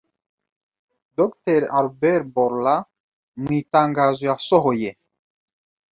Dr. Albert Bourla, mu itangazo yasohoye